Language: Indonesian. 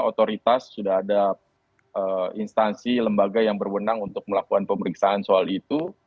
otoritas sudah ada instansi lembaga yang berwenang untuk melakukan pemeriksaan soal itu